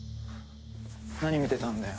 何見てたんだよ？